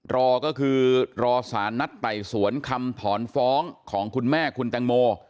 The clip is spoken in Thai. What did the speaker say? รอก็คือรอสารนัดไต่สวนคำถอนฟ้องของคุณแม่คุณแตงโม